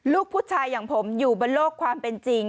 ลูกผู้ชายอย่างผมอยู่บนโลกความเป็นจริง